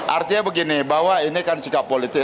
artinya begini bahwa ini kan sikap politik